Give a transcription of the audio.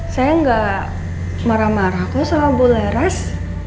saya gak marah marah kok sama bu laras